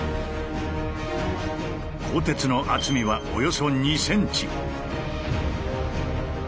鋼鉄の厚みはおよそ２ｃｍ。